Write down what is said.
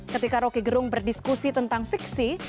ketika roky gerung berdiskusi tentang fiksi